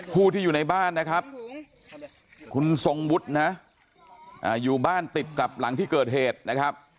ผู้ที่อยู่ในบ้านนะครับคุณทรงวุฒินะอยู่บ้านติดกับหลังที่เกิดเหตุนะครับ